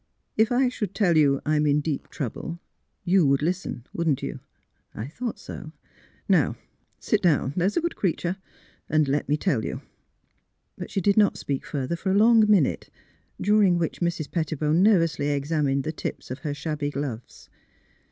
'' If I should tell you I am in deep trouble, you would listen; wouldn't you? — I thought so. Now, sit down — there's a good creature, and let me tell you." But she did not speak further for a long minute, 152 THE HEART OF PHILURA during which Mrs. Pettibone nervously examined the tips of her shabby gloves.